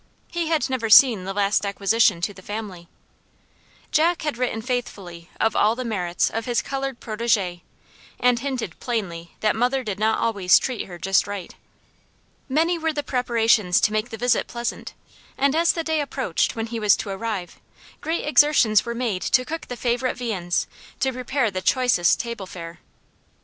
He had never seen the last acquisition to the family. Jack had written faithfully of all the merits of his colored protege, and hinted plainly that mother did not always treat her just right. Many were the preparations to make the visit pleasant, and as the day approached when he was to arrive, great exertions were made to cook the favorite viands, to prepare the choicest table fare.